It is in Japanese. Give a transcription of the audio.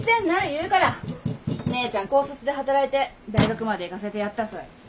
言うから姉ちゃん高卒で働いて大学まで行かせてやったそい。